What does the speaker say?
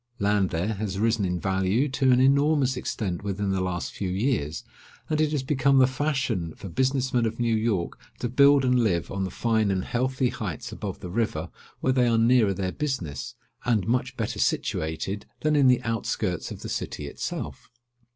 Land there, has risen in value to an enormous extent within the last few years; and it has become the fashion for business men of New York to build and live on the fine and healthy heights above the river, where they are nearer their business, and much better situated than in the outskirts of the city itself.